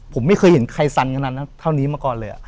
ผมไม่เคยเห็นใครสั้นขนาดนั้นไง